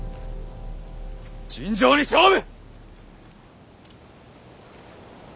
尋常に勝負！